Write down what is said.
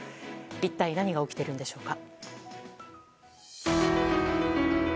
一体何が起きているんでしょうか。